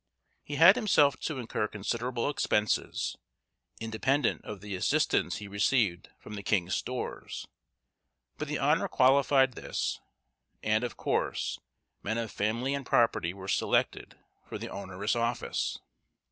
He had himself to incur considerable expenses, independent of the assistance he received from the king's stores; but the honour qualified this, and, of course, men of family and property were selected for the onerous office.